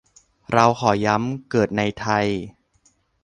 เราขอย้ำ เกิดในไทย